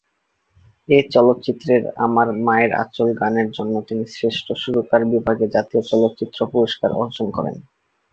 এই চলচ্চিত্রের "আমার মায়ের আঁচল" গানের জন্য তিনি শ্রেষ্ঠ সুরকার বিভাগে জাতীয় চলচ্চিত্র পুরস্কার অর্জন করেন।